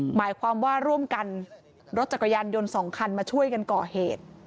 หมายความว่าร่วมกันรถจักรยานยนต์๒คันมาช่วยกันก่อเหตุ